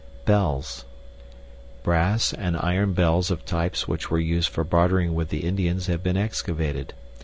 Bells. Brass and iron bells of types which were used for bartering with the Indians have been excavated.